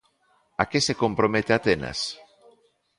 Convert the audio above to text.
A que se compromete Atenas?